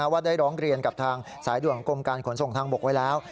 ว่าได้ร้องเรียนกับทางสายด่วนของกรมการขนส่งทางบกไว้แล้ว